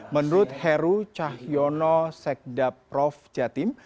menurut heru cahyono sekdaprov jatim